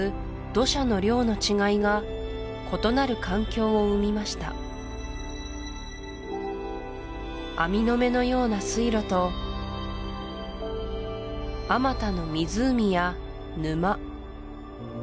土砂の量の違いが異なる環境を生みました網の目のような水路とあまたの湖や沼